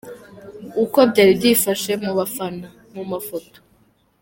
Uko byari byifashe mu bafana mu mafoto:.